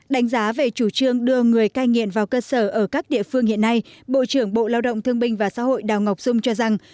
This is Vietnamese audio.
đánh giá về chủ trương đưa người cai nghiện vào cơ sở ở các địa phương hiện nay bộ trưởng bộ lao động thương binh và xã hội đào ngọc dung cho rằng